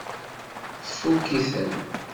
Tfukk-iten?